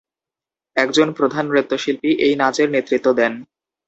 একজন প্রধান নৃত্যশিল্পী এই নাচের নেতৃত্ব দেন।